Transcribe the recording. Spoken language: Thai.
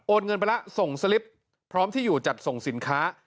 เงินไปแล้วส่งสลิปพร้อมที่อยู่จัดส่งสินค้า